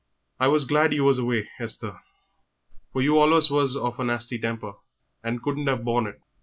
I was glad you was away, Esther, for you allus was of an 'asty temper and couldn't 'ave borne it.